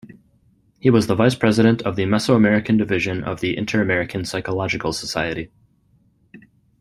He was the vice-president of the Mesoamerican division of the Interamerican Psychological Society.